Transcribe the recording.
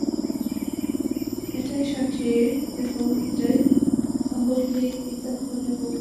এটাই সঠিক এবং এটাই আহলি কিতাবগণের বক্তব্য।